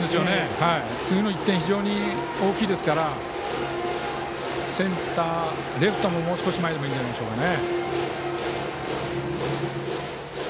次の１点は非常に大きいですからセンター、レフトももう少し前に出ていいんじゃないでしょうかね。